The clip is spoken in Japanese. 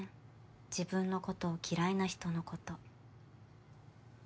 自分のことを嫌いな人のこと。